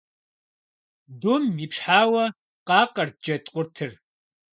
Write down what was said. Дум ипщхьауэ къакъэрт джэд къуртыр.